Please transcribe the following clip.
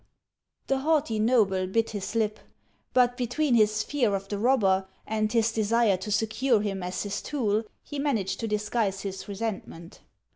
The haughty noble bit his lip; but between his fear of the robber and his desire to secure him as his tool, he managed to disguise his resentment.